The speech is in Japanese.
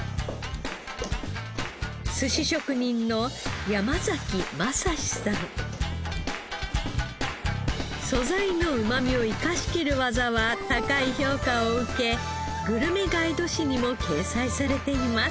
寿司職人の素材のうまみを生かしきる技は高い評価を受けグルメガイド誌にも掲載されています。